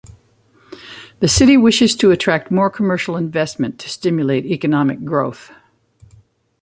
The city wishes to attract more commercial investment to stimulate economic growth.